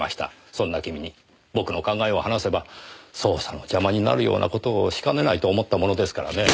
そんな君に僕の考えを話せば捜査の邪魔になるような事をしかねないと思ったものですからねぇ。